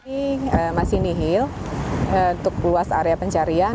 ini masih nihil untuk luas area pencarian